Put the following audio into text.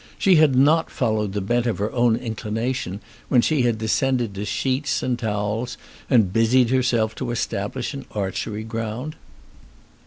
She had not followed the bent of her own inclination when she had descended to sheets and towels, and busied herself to establish an archery ground.